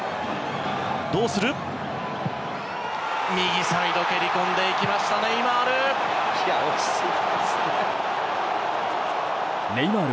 右サイド蹴り込んでいきましたネイマール。